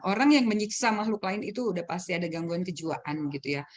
orang yang menyiksa makhluk lain itu udah pasti ada gangguan kejiwaan gitu ya